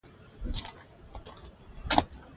له داخل څخه آشنا غــــــــــږونه اورم